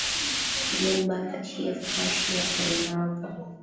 Mu ba pachiye fwashi ya kurimiya po